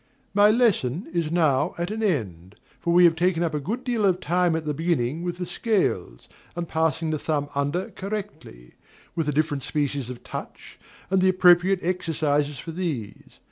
My lesson is now at an end; for we have taken up a good deal of time at the beginning with the scales, and passing the thumb under correctly, with the different species of touch, and the appropriate exercises for these.